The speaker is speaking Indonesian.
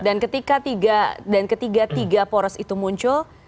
dan ketika tiga poros itu muncul